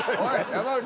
山内。